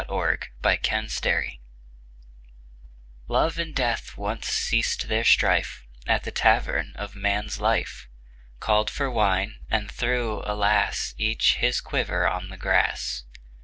THE EXPLANATION Love and Death once ceased their strife At the Tavern of Man's Life. Called for wine, and threw — alas! — Each his quiver on the grass.